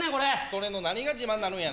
それの何が自慢になるんや？